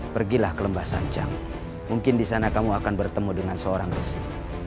pergilah ke lembah sanjang mungkin di sana kamu akan bertemu dengan seorang resi